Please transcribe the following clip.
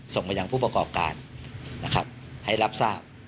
ส่งมาอย่างผู้ประกอบการให้รับทราบ